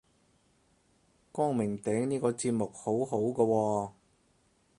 光明頂呢個節目好好個喎